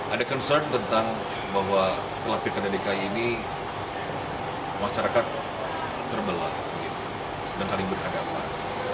ada concern tentang bahwa setelah pilkada dki ini masyarakat terbelah dan saling berhadapan